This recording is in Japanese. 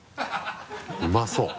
うまそう。